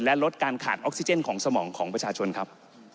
และลดการขาดออกซิเจนของสมองของประชาชนครับ